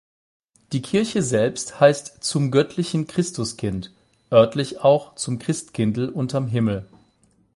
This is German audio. Die Kirche selbst heißt "Zum göttlichen Christuskind", örtlich auch "Zum Christkindl unterm Himmel".